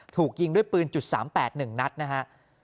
ถูกยิงด้วยปืนจุดสามแปดหนึ่งนัดนะฮะ